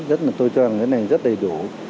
rất là tôi cho rằng cái này rất đầy đủ